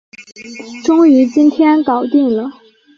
终于今天搞定了